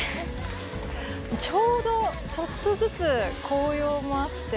ちょうど、ちょっとずつ紅葉もあって